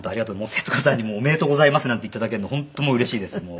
徹子さんに「おめでとうございます」なんて言っていただけるの本当うれしいですもう。